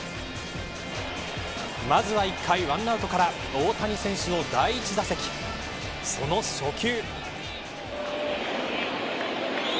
まずは１回１アウトから大谷選手の第１打席その初球。